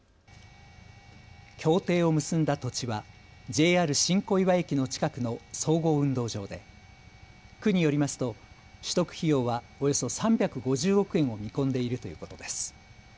協定を結んだ土地はＪＲ新小岩駅の近くの総合運動場で区によりますと取得費用はおよそ３５０億円を見込んでいるということです。